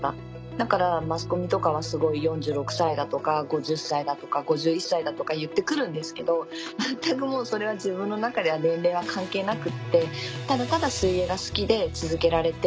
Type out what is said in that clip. だからマスコミとかは「すごい４６歳だ」とか「５０歳だ」とか「５１歳だ」とか言って来るんですけど全くもうそれは自分の中では年齢は関係なくてただただ水泳が好きで続けられて。